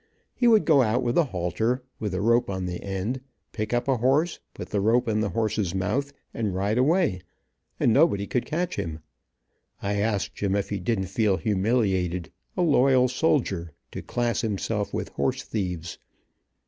He would go out with a halter, with a rope on the end, pick up a horse, put the rope in the horse's mouth, and ride away, and nobody could catch him. I asked Jim if he didn't feel humiliated, a loyal soldier, to class himself with horse thieves.